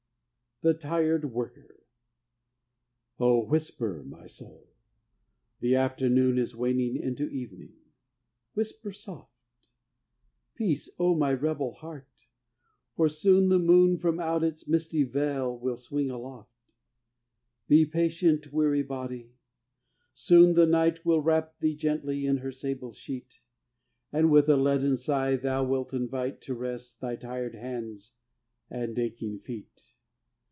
THE TIRED WORKER O whisper, O my soul! the afternoon Is waning into evening whisper soft! Peace, O my rebel heart! for soon the moon From out its misty veil will swing aloft! Be patient, weary body, soon the night Will wrap thee gently in her sable sheet, And with a leaden sigh thou wilt invite To rest thy tired hands and aching feet.